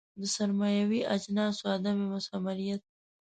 د سرمایوي اجناسو عدم مثمریت.